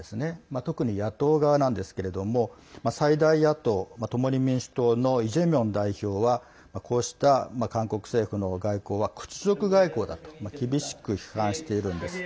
特に野党側なんですけれども最大野党・共に民主党のイ・ジェミョン代表はこうした韓国政府の外交は屈辱外交だと厳しく批判しているんです。